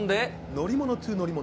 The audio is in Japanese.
乗り物ｔｏ乗り物。